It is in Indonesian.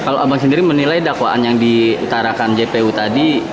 kalau abang sendiri menilai dakwaan yang diutarakan jpu tadi